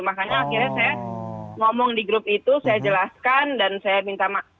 makanya akhirnya saya ngomong di grup itu saya jelaskan dan saya minta maaf